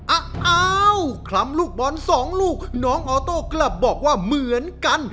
อ้าวคลำลูกบอลสองลูกน้องออโต้กลับบอกว่าเหมือนกัน